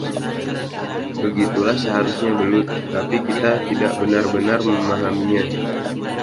Begitulah seharusnya belut, tetapi kita tidak benar-benar memahaminya ".